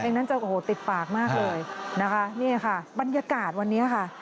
นั้นจะโอ้โหติดปากมากเลยนะคะนี่ค่ะบรรยากาศวันนี้ค่ะ